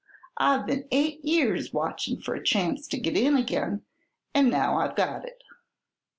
I've been eight years watchin' for a chance to get in again, an' now I've got it."